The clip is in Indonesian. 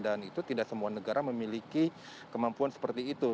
dan itu tidak semua negara memiliki kemampuan seperti itu